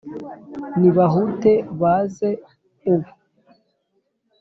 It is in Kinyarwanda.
Nibahute baze ubu